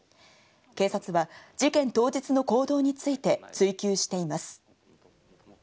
警察は事件当日の行動について、追及しています。